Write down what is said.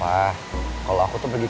aku nggak bakalan marah kok